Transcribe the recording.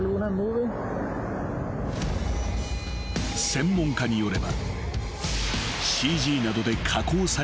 ［専門家によれば］